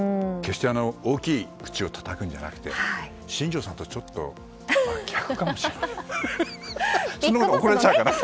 決して、大きい口をたたくんじゃなくて新庄さんとちょっと逆かもしれない。